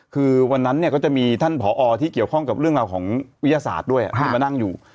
คือวันนั้นเนี่ยก็จะมีท่านผอที่เกี่ยวข้องกับเรื่องราวของวิทยาศาสตร์ด้วยที่มานั่งอยู่